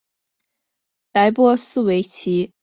莱波萨维奇是位于科索沃北部的一座城市。